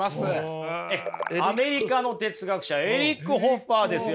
ええアメリカの哲学者エリック・ホッファーですよ。